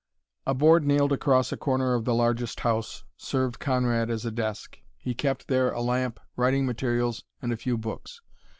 A board nailed across a corner of the largest house served Conrad as a desk. He kept there a lamp, writing materials, and a few books.